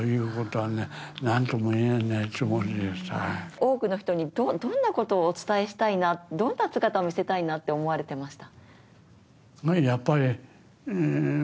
多くの人にどんなことを伝えたい、どんな姿を見せたいと思ってました？